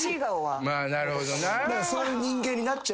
まあなるほどな。